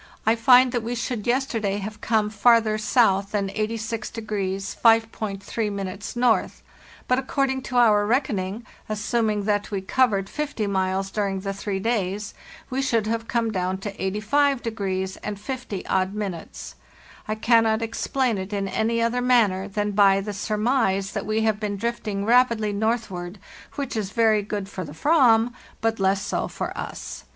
I find that we should yesterday have come farther south than 86° 5.3 N.; but, according to our reckoning, assuming that we covered 50 miles during the three days, we should have come down to 85 de grees and 50 odd minutes. I cannot explain it in any other manner than by the surmise that we have been drifting rapidly northward, which is very good for the Aram, but less so for us.